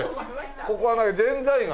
ここはなんかぜんざいが。